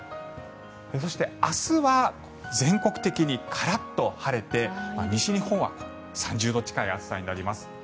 そして、明日は全国的にカラッと晴れて西日本は３０度近い暑さになります。